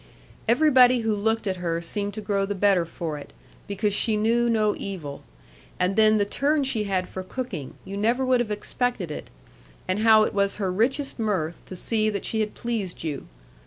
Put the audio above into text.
Everybody who looked at her seemed to grow the better for it, because she knew no evil. And then the turn she had for cooking, you never would have expected it; and how it was her richest mirth to see that she had pleased you.